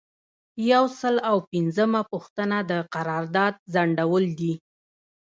یو سل او پنځمه پوښتنه د قرارداد ځنډول دي.